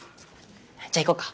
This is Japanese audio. じゃあ行こうか。